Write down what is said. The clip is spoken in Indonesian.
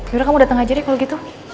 yaudah kamu dateng aja deh kalo gitu